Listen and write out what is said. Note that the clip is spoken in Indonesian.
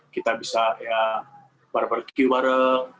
kita bisa ya bareng bareng ke q bareng